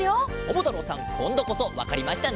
ももたろうさんこんどこそわかりましたね？